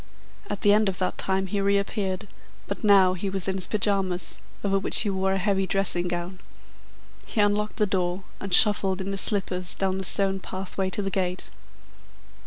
At the end of that time he reappeared, but now he was in his pyjamas, over which he wore a heavy dressing gown. He unlocked the door, and shuffled in his slippers down the stone pathway to the gate.